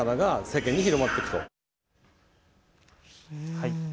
はい。